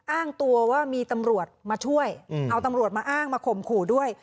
อ้างตัวว่ามีตำรวจมาช่วยเอาตำรวจมาอ้างมาข่มขู่ด้วย